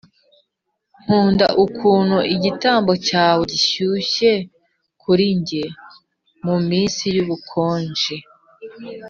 nkunda ukuntu igitambaro cyawe gishyushye kuri njye muminsi yubukonje